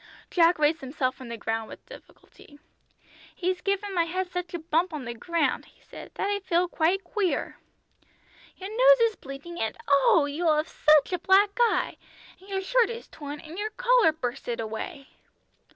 Jack raised himself from the ground with difficulty. "He's given my head such a bump on the ground," he said, "that I feel quite queer." "Your nose is bleeding, and oh! you'll have such a black eye! And your shirt is torn, and your collar bursted away!"